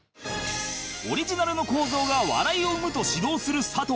オリジナルの構造が笑いを生むと指導する佐藤